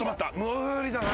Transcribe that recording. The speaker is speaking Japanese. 無理だな。